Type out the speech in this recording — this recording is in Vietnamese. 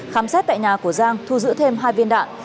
khám xét tại nhà của giang thu giữ thêm hai viên đạn